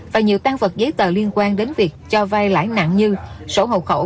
và nhiều tan vật giấy tờ liên quan đến việc cho vai lãi nặng như sổ hộ khẩu